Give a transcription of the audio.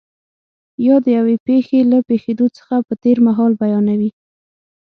یا د یوې پېښې له پېښېدو څخه په تېر مهال بیانوي.